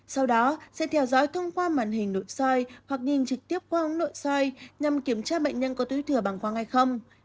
sau đó sẽ theo dõi thông qua màn hình nội soi hoặc nhìn trực tiếp qua ống nội soi nhằm kiểm tra bệnh nhân có túi thừa bằng khoa hay không